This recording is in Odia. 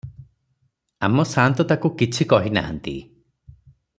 ଆମ ସାଆନ୍ତ ତାକୁ କିଛି କହିନାହାନ୍ତି ।